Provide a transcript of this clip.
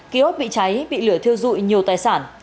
ký ốt bị cháy bị lửa thiêu dụi nhiều tài sản